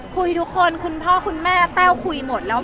คุยทุกคนคุณพ่อคุณแม่แต้วคุยหมดแล้ว